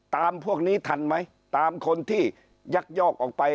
พวกนี้ทันไหมตามคนที่ยักยอกออกไป